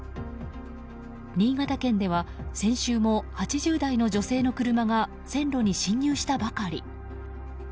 新潟県では先週も８０代の女性の車が線路に進入したばかり。